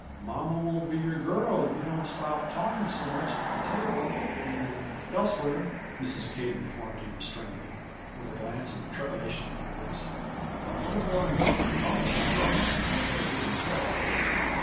"Mamma won't be your girl if you don't stop talking so much at the table and elsewhere," Mrs. Kate informed him sternly, with a glance of trepidation at the others. "A little boy mustn't talk about grown ups, and what they do or say."